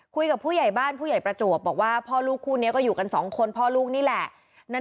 ผู้ใหญ่บ้านผู้ใหญ่ประจวบบอกว่าพ่อลูกคู่นี้ก็อยู่กันสองคนพ่อลูกนี่แหละ